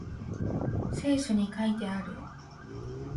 聖書に書いてある